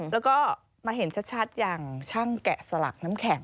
แล้วก็มาเห็นชัดอย่างช่างแกะสลักน้ำแข็ง